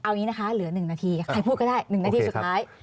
เอาอย่างนี้นะคะเหลือ๑นาทีใครพูดก็ได้๑นาทีสุดท้าย